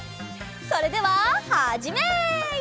それでははじめい！